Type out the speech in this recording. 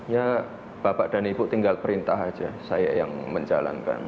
ya bapak dan ibu tinggal perintah aja saya yang menjalankan